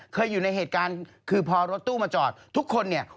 คือพอรถตู้มาจอดทุกคนเนี่ย